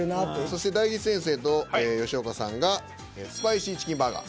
そして大吉先生と吉岡さんがスパイシーチキンバーガー。